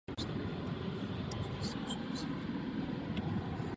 Důvody pro moje zdržení se hlasování nejsou složité.